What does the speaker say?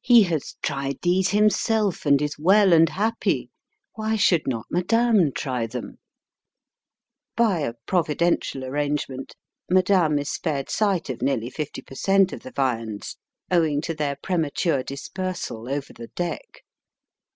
He has tried these himself and is well and happy. Why should not madame try them ? By a providential arrangement, madame is spared sight of nearly fifty per cent, of the viands, owing to their premature dispersal over the deck.